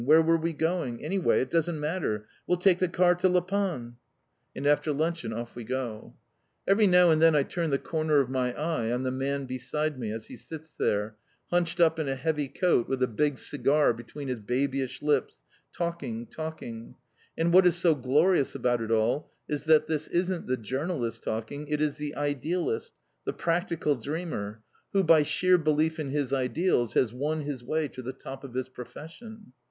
Where were we going? Anyway, it doesn't matter. We'll take the car to La Panne!" And after luncheon off we go. Every now and then I turn the corner of my eye on the man beside me as he sits there, hunched up in a heavy coat with a big cigar between his babyish lips, talking, talking; and what is so glorious about it all is that this isn't the journalist talking, it is the idealist, the practical dreamer, who, by sheer belief in his ideals has won his way to the top of his profession.